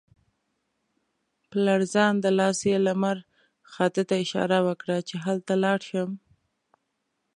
په لړزانده لاس یې لمر خاته ته اشاره وکړه چې هلته لاړ شم.